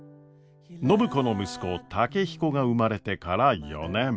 暢子の息子健彦が生まれてから４年。